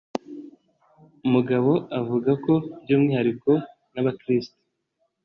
Mugabo avuga ko by’umwihariko nk’abakiristo